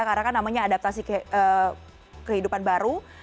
karena kan namanya adaptasi kehidupan baru